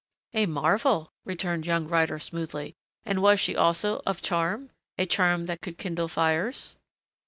"A marvel!" returned young Ryder smoothly. "And was she also of charm a charm that could kindle fires